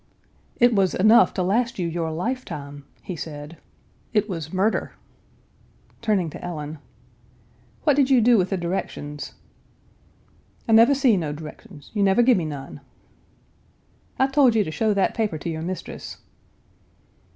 "It was enough to last you Page 366 your lifetime," he said. "It was murder." Turning to I Ellen: "What did you do with the directions?" "I nuvver see no d'rections. You nuvver gimme none." "I told you to show that paper to your mistress."